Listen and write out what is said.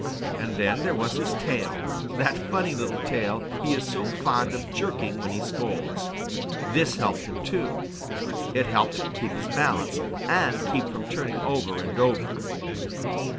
And then there was his tail, that funny little tail he is so fond of jerking when he scolds. This helped him too. It helped him keep his balance and keep from turning over and over.